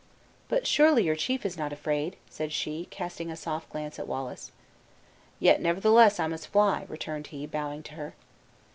"But surely your chief is not afraid," said she, casting a soft glance at Wallace. "Yet, nevertheless, I must fly," returned he, bowing to her.